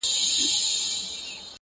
زړه چي ستا د سترگو په آفت بې هوښه شوی دی